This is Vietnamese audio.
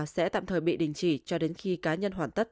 sẽ tạm thời bị đình chỉ cho đến khi cá nhân hoàn tất